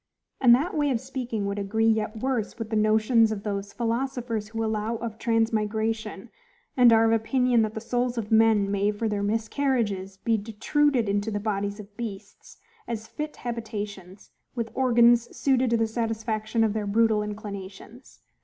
And that way of speaking would agree yet worse with the notions of those philosophers who allow of transmigration, and are of opinion that the souls of men may, for their miscarriages, be detruded into the bodies of beasts, as fit habitations, with organs suited to the satisfaction of their brutal inclinations.